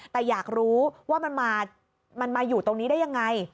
แต่อยากรู้ว่ามันมาอยู่ตรงนี้ได้ยังไง